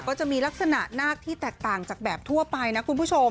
ก็จะมีลักษณะนาคที่แตกต่างจากแบบทั่วไปนะคุณผู้ชม